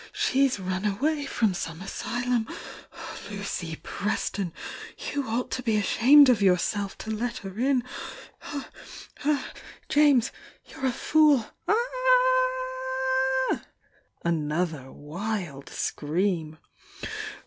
sues run away from some asylum! Lucy Preston you ought to bo ashamed of yourself to let her in' i^!^ ^"{"^ut ^°°y , Aa aah!" Another wild scream.